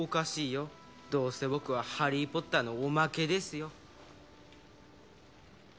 どうせ僕はハリー・ポッターのおまけですよ